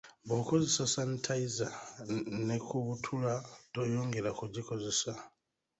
Bw’okozesa sanitayiza n’ekubutula, toyongera kugikozesa.